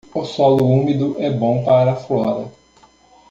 O solo úmido é bom para a flora.